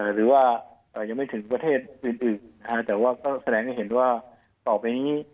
หรือว่ายังไม่ถึงประเทศอื่นแต่ว่าก็แสดงให้เห็นว่าต่อไปนี้